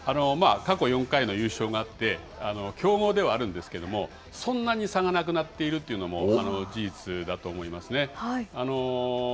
過去４回の優勝があって、強豪ではあるんですけれども、そんなに差がなくなっているというのも事実だと思いますね。